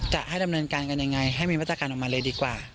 จะให้ดำเนินการกันยังไงให้มีมาตรการออกมาเลยดีกว่า